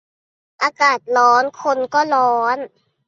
อากาศร้อน คนก็ร้อน